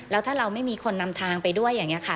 แล้วถ้าเราไม่มีคนนำทางไปด้วยอย่างนี้ค่ะ